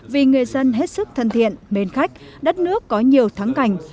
vì người dân hết sức thân thiện mến khách đất nước có nhiều thắng cảnh